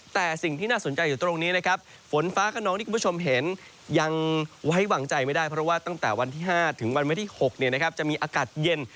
แต่สิ่งที่น่าสนใจอยู่ตรงนี้นะครับฝนฟ้าขนองที่คุณผู้ชมเห็นยังไว้วางใจไม่ได้เพราะว่าตั้งแต่วันที่๕ถึงวันวันที่๖จะมีอากาศเย็น